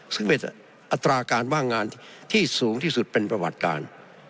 ซึ่งเป็นอัตราการว่างงานที่สูงที่สุดเป็นประวัติการ